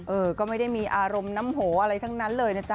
เออก็ไม่ได้มีอารมณ์น้ำโหอะไรทั้งนั้นเลยนะจ๊